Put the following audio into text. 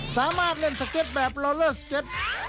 สามารถเล่นสเก็ตแบบลอเลอร์สเก็ต